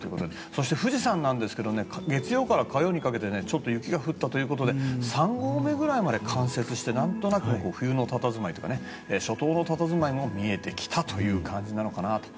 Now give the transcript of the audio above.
そして富士山なんですが月曜から火曜にかけてちょっと雪が降ったということで三合目ぐらいまで冠雪してなんとなく冬のたたずまいというか初冬のたたずまいも見えてきたという感じなのかなと。